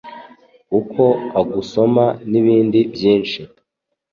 uko agusoma n'ibindi byinshi.